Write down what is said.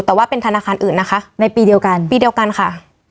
แต่ว่าเป็นธนาคารอื่นนะคะในปีเดียวกันปีเดียวกันค่ะ